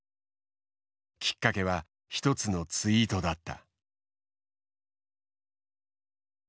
きっかけは１つのツイートだった。